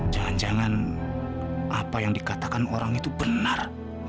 jangan jangan apa yang dikatakan orang itu benar